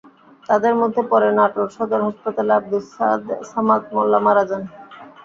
তাঁদের মধ্যে পরে নাটোর সদর হাসপাতালে আব্দুস সামাদ মোল্লা মারা যান।